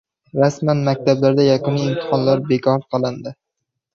Rasman! Maktablarda yakuniy imtihonlar bekor qilindi